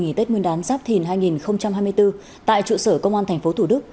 nghỉ tết nguyên đán giáp thìn hai nghìn hai mươi bốn tại trụ sở công an tp thủ đức